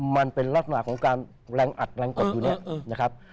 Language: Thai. มันเป็นลักษณะของการแรงอัดแรงกดอยู่เนี่ยนะครับ